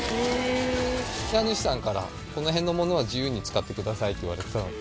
家主さんから「この辺のものは自由に使ってください」と言われていたので。